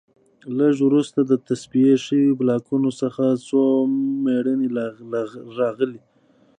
لږ وروسته د تصفیه شویو بلاکونو څخه څو مېرمنې راغلې